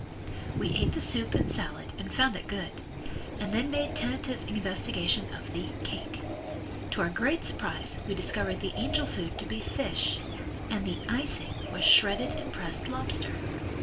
We ate the soup and salad and found it good, and then made tentative investigation of the "cake." To our great surprise we discovered the angel food to be fish and the "icing" was shredded and pressed lobster.